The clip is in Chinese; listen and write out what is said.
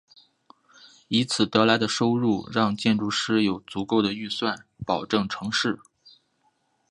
以此得来的收入让建筑师有足够的预算保证成事。